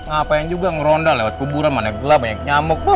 apa yang juga ngerondah lewat kuburan mana gelap banyak nyamuk pam